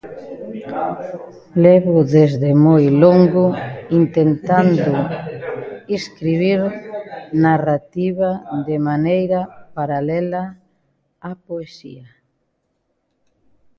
Levo desde moi longo intentando escribir narrativa de maneira paralela á poesía.